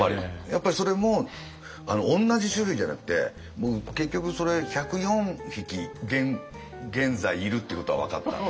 やっぱりそれも同じ種類じゃなくて結局それ１０４匹現在いるっていうことが分かった。